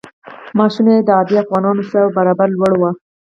معاشونه یې د عادي افغانانو څو برابره لوړ وو.